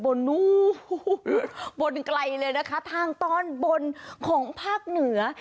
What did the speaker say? นู้นบนไกลเลยนะคะทางตอนบนของภาคเหนือ